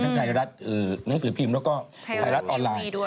ไทยรัฐหนังสือพิมพ์แล้วก็ไทยรัฐออนไลน์ด้วย